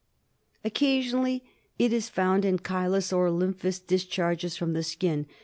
Occasionally it is found in chylous or lymphous discharges from the skin.